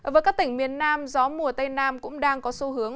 với các tỉnh miền nam gió mùa tây nam cũng đang có xu hướng